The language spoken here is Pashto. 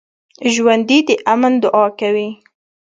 ژوندي د امن دعا کوي